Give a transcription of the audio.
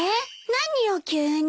何よ急に。